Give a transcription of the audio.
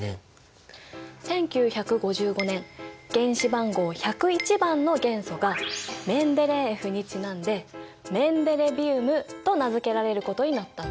１９５５年原子番号１０１番の元素がメンデレーエフにちなんでと名付けられることになったんだ。